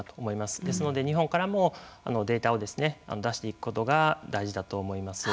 ですので、日本からもデータを出していくことが大事だと思います。